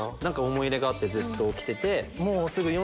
思い入れがあってずっと着てて。